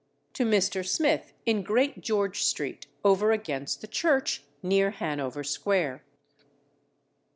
To Mr. Smith in Great George Street over against the Church near Hanover Square.